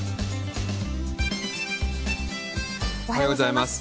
おはようございます。